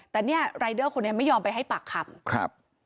แต่เนี่ยรายเดอร์คนนี้ไม่ยอมไปให้ปากคำครับ